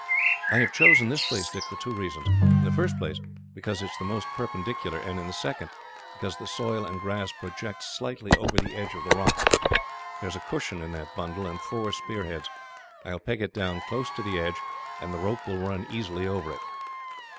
"I have chosen this place, Dick, for two reasons. In the first place, because it is the most perpendicular, and in the second, because the soil and grass project slightly over the edge of the rock. There is a cushion in that bundle, and four spear heads. I will peg it down close to the edge, and the rope will run easily over it.